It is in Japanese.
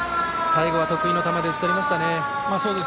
最後は得意の球で打ち取りましたね。